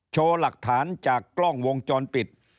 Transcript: โชว์หลักฐานจากกล้องวงจรปิด